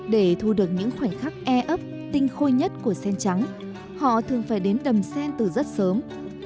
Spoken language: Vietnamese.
để thu được những khoảnh khắc e ấp tinh khôi nhất của sen trắng họ thường phải đến đầm sen từ rất sớm